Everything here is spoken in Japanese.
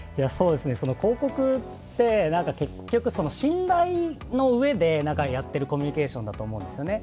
広告って、結局、信頼のうえでやっているコミュニケーションだと思うんですよね。